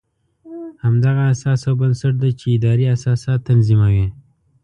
همدغه اساس او بنسټ دی چې ادارې اساسات تنظیموي.